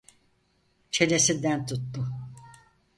Çenesinden tuttu...